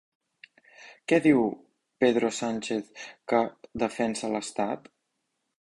Què diu Pedro Sánchez que defensa l'estat?